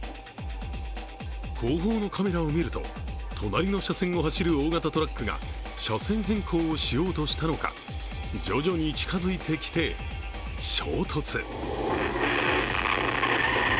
後方のカメラを見ると隣の車線を走る大型トラックが車線変更をしようとしたのか徐々に近づいてきて、衝突。